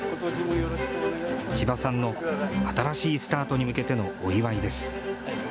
千葉さんの新しいスタートに向けてのお祝いです。